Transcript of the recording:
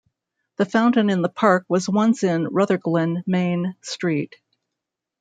The fountain in the park was once in Rutherglen Main Street.